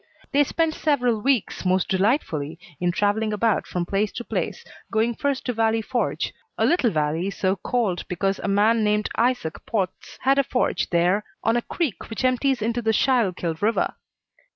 They spent several weeks most delightfully in travelling about from place to place, going first to Valley Forge a little valley so called because a man named Isaac Potts had a forge there on a creek which empties into the Schuylkill River.